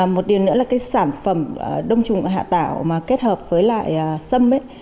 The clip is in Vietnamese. một điều nữa là cái sản phẩm đồng trùng hạ thảo mà kết hợp với lại xâm